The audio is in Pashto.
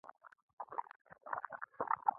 دا ستا کتاب دی.